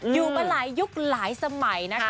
อยู่มาหลายยุคหลายสมัยนะคะ